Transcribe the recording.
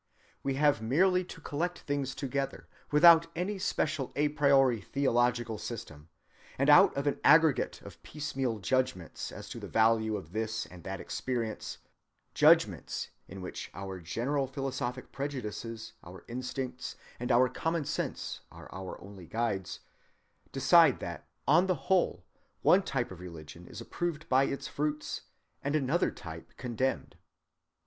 We have merely to collect things together without any special a priori theological system, and out of an aggregate of piecemeal judgments as to the value of this and that experience—judgments in which our general philosophic prejudices, our instincts, and our common sense are our only guides—decide that on the whole one type of religion is approved by its fruits, and another type condemned.